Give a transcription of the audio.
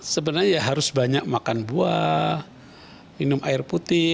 sebenarnya ya harus banyak makan buah minum air putih